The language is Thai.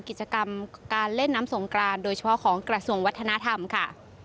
กิจกรรมการเล่นน้ำสงกรานโดยเฉพาะของกระทรวงวัฒนธรรมค่ะ